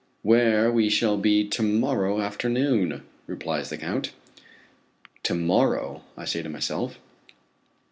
"Where we shall be to morrow afternoon," replies the Count. To morrow, I say to myself.